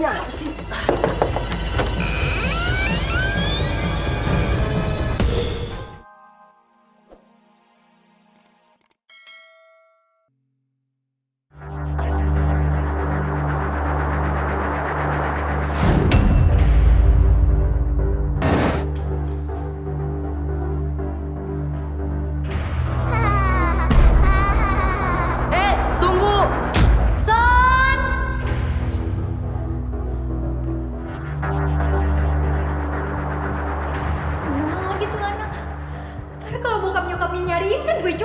jangan bicara sama aku deh